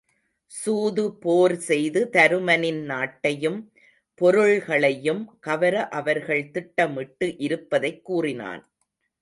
சூது போர் செய்து தருமனின் நாட்டையும் பொருள்களையும் கவர அவர்கள் திட்டம் இட்டு இருப்பதைக் கூறினான்.